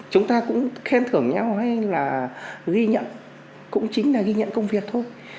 chúng ta cũng khen thưởng nhau hay là ghi nhận cũng chính là ghi nhận công việc thôi